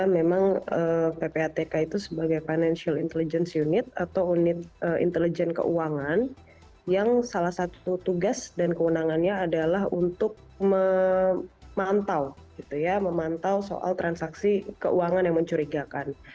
memang ppatk itu sebagai financial intelligence unit atau unit intelijen keuangan yang salah satu tugas dan kewenangannya adalah untuk memantau memantau soal transaksi keuangan yang mencurigakan